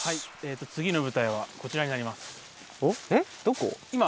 次の舞台はこちらになります。